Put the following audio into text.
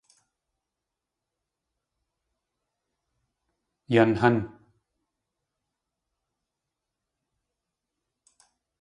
Yan hán!